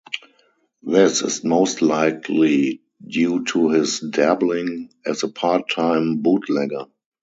This is most likely due to his dabbling as a part-time bootlegger.